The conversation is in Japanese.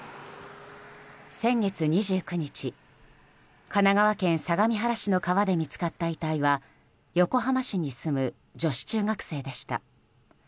先月２９日神奈川県相模原市の川で見つかった遺体は横浜市に住む女子中学生でした。